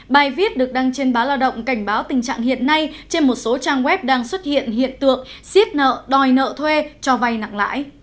bài viết được đăng trên báo lao động cảnh báo tình trạng hiện nay trên một số trang web đang xuất hiện hiện tượng siết nợ đòi nợ thuê cho vay nặng lãi